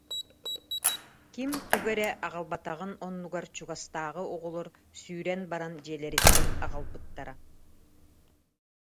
Ким тугу эрэ аҕалбатаҕын оннугар чугастааҕы оҕолор сүүрэн баран дьиэлэриттэн аҕалбыттара